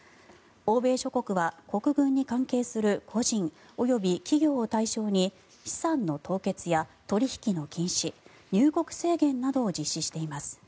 欧米諸国は国軍に関係する個人及び企業を対象に資産の凍結や取引の禁止入国制限などを実施しています。